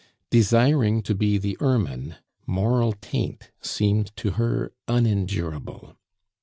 Desiring to be the ermine, moral taint seemed to her unendurable.